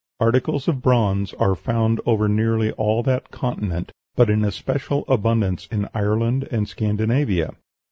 Articles of bronze are found over nearly all that continent, but in especial abundance in Ireland and Scandinavia.